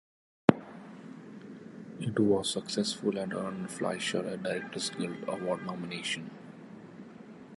It was successful and earned Fleischer a Directors Guild Award nomination.